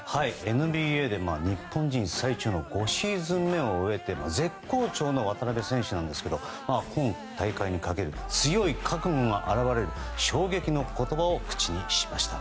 ＮＢＡで日本人最長の５シーズン目を終えて絶好調の渡邊選手なんですが今大会にかける強い覚悟が表れる衝撃の言葉を口にしました。